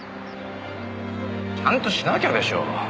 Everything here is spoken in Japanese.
ちゃんとしなきゃでしょ。